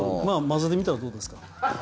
混ぜてみたらどうですか。